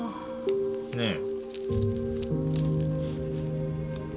ねえ？